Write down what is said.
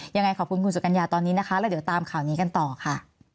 ยังไงขอบคุณคุณสุกัญญาตอนนี้นะคะแล้วเดี๋ยวตามข่าวนี้กันต่อค่ะ